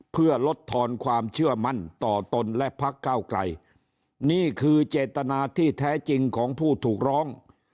เพื่อลดทอนความเชื่อมั่นต่อตนและพักเก้าไกลนี่คือเจตนาที่แท้จริงของผู้ถูกร้อง